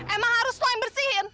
emang harus lo yang bersihin